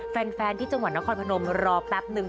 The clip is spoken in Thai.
แฟนที่จังหวัดนครพนมรอแป๊บนึง